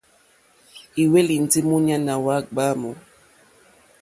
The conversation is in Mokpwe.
Ì hwélì ndí múɲáná wá ɡbwǎmù.